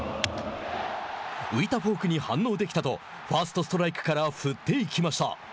浮いたフォークに反応できたとファーストストライクから振っていきました。